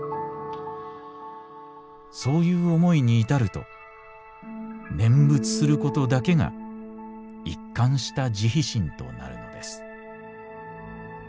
「そういう思いに至ると念仏することだけが一貫した慈悲心となるのです」。